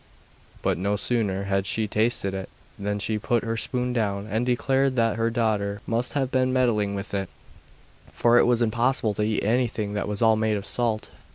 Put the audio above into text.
But no sooner had she tasted it than she put her spoon down, and declared that her daughter must have been meddling with it, for it was impossible to eat anything that was all made of salt.